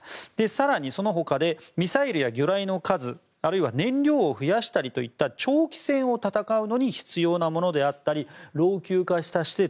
更にそのほかでミサイルや魚雷の数あるいは燃料を増やしたりといった長期戦を戦うものに必要であったり老朽化した施設